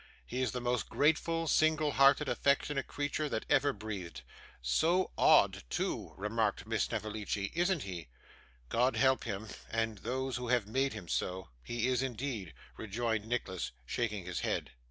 'He is the most grateful, single hearted, affectionate creature that ever breathed.' 'So odd, too,' remarked Miss Snevellicci, 'isn't he?' 'God help him, and those who have made him so; he is indeed,' rejoined Nicholas, shaking his head.